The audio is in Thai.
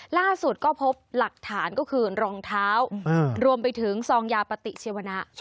ล่าสุดก็พบหลักฐานก็คือรองเท้ารวมไปถึงซองยาปฏิชีวนะ